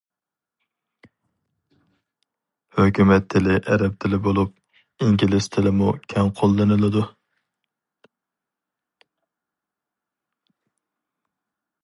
ھۆكۈمەت تىلى ئەرەب تىلى بولۇپ، ئىنگلىز تىلىمۇ كەڭ قوللىنىلىدۇ.